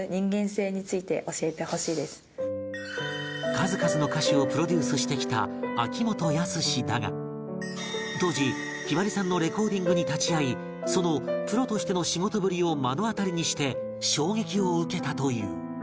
数々の歌手をプロデュースしてきた秋元康だが当時ひばりさんのレコーディングに立ち会いそのプロとしての仕事ぶりを目の当たりにして衝撃を受けたという